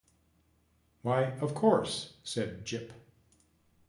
“Why, of course!” said Jip.